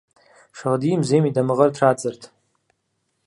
Шагъдийм зейм и дамыгъэр традзэрт.